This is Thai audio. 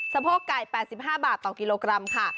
โพกไก่๘๕บาทต่อกิโลกรัมค่ะ